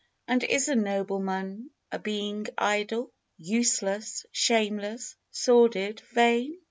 And is a nobleman a being idle, Useless, shameless, sordid vain?